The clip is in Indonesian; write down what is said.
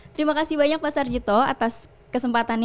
terima kasih banyak pak sarjito atas kesempatannya